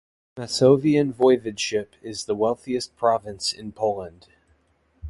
Masovian Voivodeship is the wealthiest province in Poland.